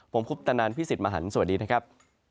ผมคุปตนันพี่สิทธิ์มหันฯสวัสดีนะครับ